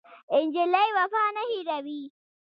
نجلۍ وفا نه هېروي.